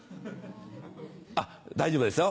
あっ大丈夫ですよ